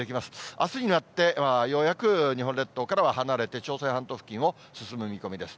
あすになって、ようやく日本列島からは離れて、朝鮮半島付近を進む見込みです。